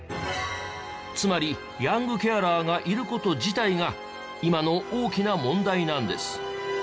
つまりヤングケアラーがいる事自体が今の大きな問題なんです。